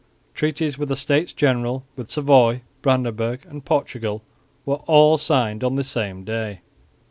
Treaties with the States General, with Savoy, Brandenburg and Portugal, were all signed on this same day.